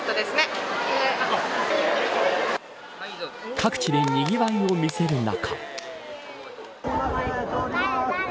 各地でにぎわいを見せる中。